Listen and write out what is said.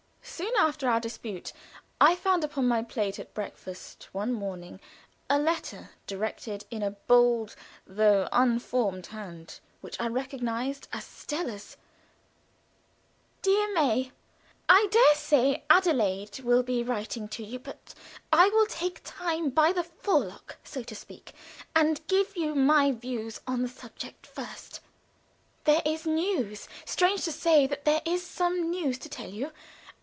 Soon after our dispute I found upon my plate at breakfast, one morning, a letter directed in a bold though unformed hand, which I recognized as Stella's: "DEAR MAY, I dare say Adelaide will be writing to you, but I will take time by the forelock, so to speak, and give you my views on the subject first. "There is news, strange to say that there is some news to tell you.